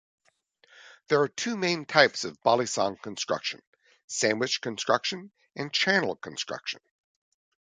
There are two main types of balisong construction: "sandwich construction" and "channel construction".